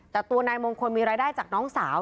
แต่ตัวนายมงคลมีรายได้จากน้องสาว